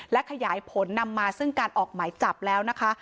และขยายผลนำมาซึ่งการออกหมายจับแล้วนะคะ